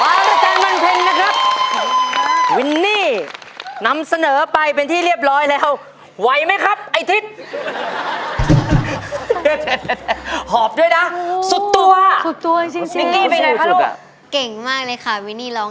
บางราชันทร์บางราชันทร์บางราชันทร์ไม่อาจยืนอยู่ถึงวันเพ็ญเดือนสิบสอง